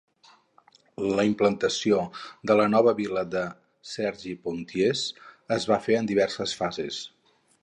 La implantació de la nova vila de Cergy-Pontoise es va fer en diverses fases.